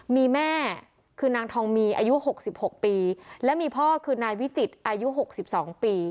มีแม่คือนางทองมีอายุ๖๖ปีและมีพ่อคือนายวิจิตรอายุ๖๒ปี